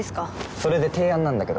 それで提案なんだけど。